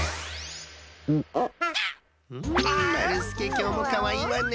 まるすけきょうもかわいいわね！